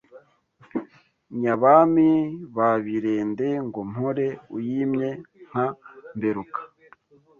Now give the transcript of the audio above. Nyabami ba Birende Ngo mpore uyimye nka Mberuka